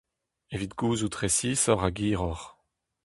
Evit gouzout resisoc'h hag hiroc'h…